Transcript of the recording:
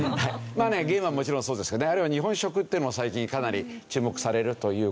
ゲームはもちろんそうですけどあるいは日本食っていうのも最近かなり注目されるという事なんですけど。